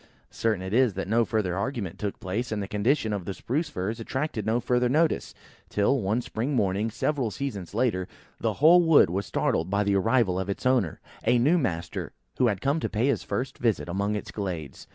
Certain it is, that no further argument took place, and the condition of the Spruce firs attracted no further notice; till, one spring morning, several seasons later, the whole wood was startled by the arrival of its owner, a new master, who was come to pay his first visit among its glades.